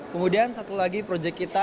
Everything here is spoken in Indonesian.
kemudian satu lagi proyek kita